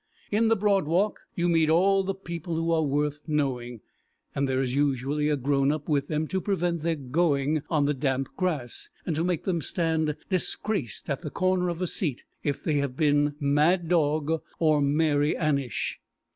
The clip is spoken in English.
In the Broad Walk you meet all the people who are worth knowing, and there is usually a grown up with them to prevent their going on the damp grass, and to make them stand disgraced at the corner of a seat if they have been mad dog or Mary Annish.